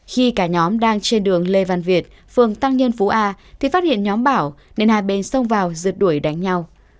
khi cả nhóm đang trên đường lê văn việt phường tăng nhân phú a thì phát hiện nhóm bảo nên hai bên xông vào rượt đuổi đánh nhau